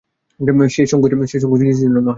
সে সংকোচ নিজের জন্য নহে।